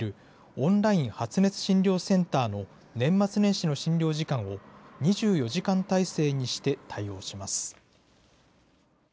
オンライン発熱診療センターの年末年始の診療時間を、２４時間態勢にして対応します。